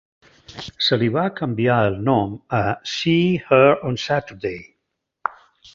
Se li va canviar el nom a "See Hear on Saturday".